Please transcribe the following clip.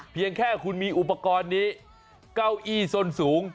เพียงแค่คุณมีอุปกรณ์นี้เก้าอี้ส้นสูง